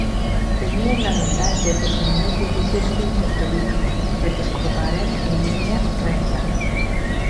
Tenien l'avantatge que són més difícils d'interferir, ja que es propaguen en línia recta.